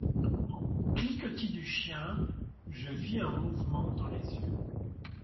Au cliquetis du chien, je vis un mouvement dans les yeux.